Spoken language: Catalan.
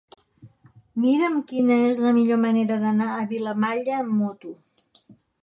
Mira'm quina és la millor manera d'anar a Vilamalla amb moto.